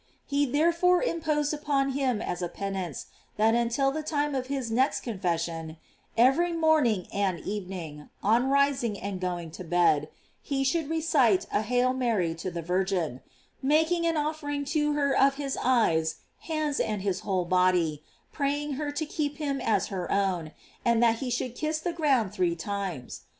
He therefore imposed it upon him as a penance, that until the time of his next confession, every morning and evening, on rising and going to bed, he should recite a "Hail Mary" to the Virgin; making an offering to her of his eyes, hands, and his whole body, praying her to keep him as her own; and that he should kiss the ground three times.